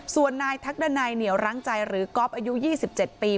ส่วนนายทักดันัยเหนียวร้างใจหรือก๊อฟอายุ๒๗ปี